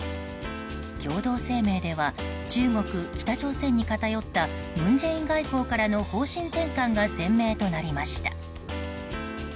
共同声明では中国、北朝鮮に偏った文在寅外交からの方針転換が鮮明となりました。